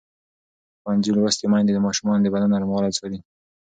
ښوونځې لوستې میندې د ماشومانو د بدن نرموالی څاري.